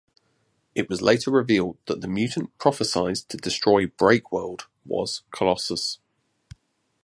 It was later revealed that the mutant prophesied to destroy Breakworld was Colossus.